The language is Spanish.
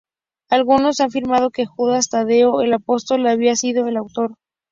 Algunos han afirmado que Judas Tadeo el apóstol había sido el autor.